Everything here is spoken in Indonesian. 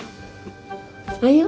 kok masih cemberut